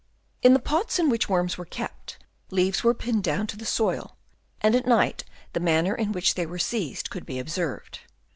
In the pots in which worms were kept, leaves were pinned down to the soil, and at night the manner in which they were seized could be observed.